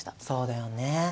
そうだよね。